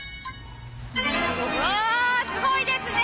うわすごいですね。